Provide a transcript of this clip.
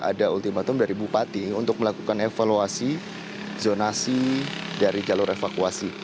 ada ultimatum dari bupati untuk melakukan evaluasi zonasi dari jalur evakuasi